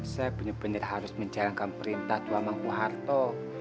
saya benar benar harus menjalankan perintah tuan mangku harto